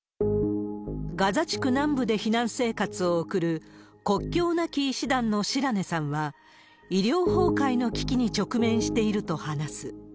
ガザ地区南部で避難生活を送る、国境なき医師団の白根さんは、医療崩壊の危機に直面していると話す。